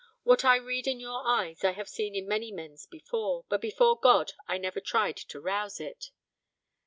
What I read in your eyes I have seen in many men's before, but before God I never tried to rouse it.